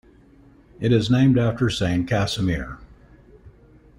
It is named after Saint Casimir.